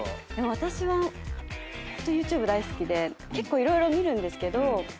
私はホントＹｏｕＴｕｂｅ大好きで結構色々見るんですけど。